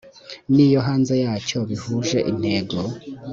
n iyo hanze yacyo bihuje intego